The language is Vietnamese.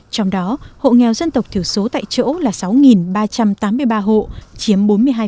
trong đó hộ nghèo dân tộc thiểu số tại chỗ là sáu ba trăm tám mươi ba hộ chiếm bốn mươi hai